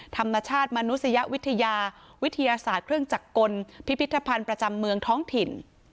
ธรรมชาติมนุษยวิทยาวิทยาศาสตร์เครื่องจักรกลพิพิธภัณฑ์ประจำเมืองท้องถิ่น